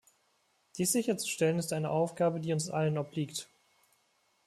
Dies sicherzustellen ist eine Aufgabe, die uns allen obliegt.